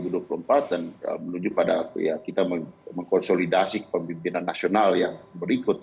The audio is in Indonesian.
dan menuju pada kita mengkonsolidasi pembimbingan nasional yang berikut